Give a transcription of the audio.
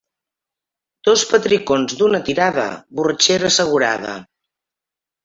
Dos petricons d'una tirada, borratxera assegurada.